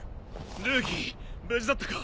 ルーキー無事だったか。